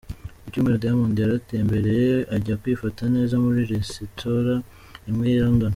Ku Cyumweru Diamond yaratembereye ajya kwifata neza muri Resitora imwe y'i London.